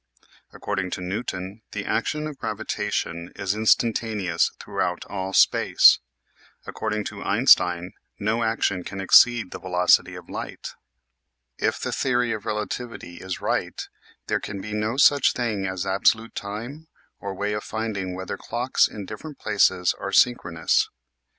According to Newton the action of gravitation is instantaneous throughout all space. According to Einstein no action can exceed the velocity of light. If the theory of relativity is right there can be no such thing as absolute time or way of finding whether clocks in different places are synchronous.